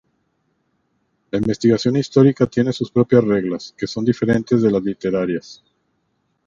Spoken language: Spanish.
La investigación histórica tienen sus propias reglas, que son diferentes de las literarias.